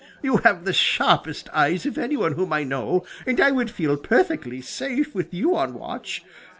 You have the sharpest eyes of any one whom I know, and I would feel perfectly safe with you on watch.